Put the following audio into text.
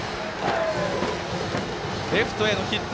レフトへのヒット。